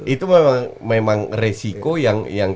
itu memang resiko yang